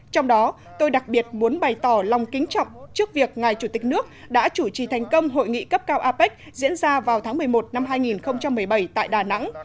trong đó tôi đặc biệt muốn bày tỏ lòng kính trọng trước việc ngài chủ tịch nước đã chủ trì thành công hội nghị cấp cao apec diễn ra vào tháng một mươi một năm hai nghìn một mươi bảy tại đà nẵng